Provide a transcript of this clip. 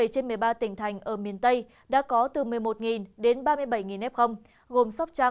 bảy trên một mươi ba tỉnh thành ở miền tây đã có từ một mươi một đến ba mươi bảy f